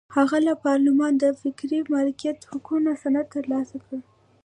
هغه له پارلمانه د فکري مالکیت حقوقو سند ترلاسه کړ.